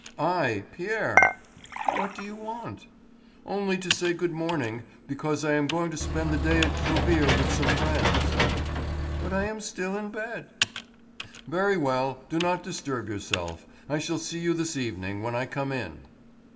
"I—Pierre." "What do you want?" "Only to say good morning, because I am going to spend the day at Trouville with some friends." "But I am still in bed." "Very well, do not disturb yourself. I shall see you this evening, when I come in."